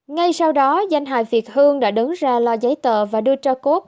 ngay sau đó danh hài việt hương đã đứng ra lo giấy tờ và đưa cho cốt